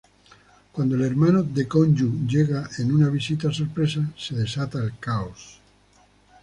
Cuando el hermano de Gong-ju llega en una visita sorpresa, se desata el caos.